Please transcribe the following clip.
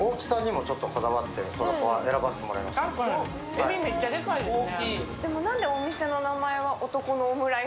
えび、めっちゃでかいですね。